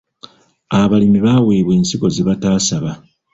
Abalimi baaweebwa ensigo ze bataasaba.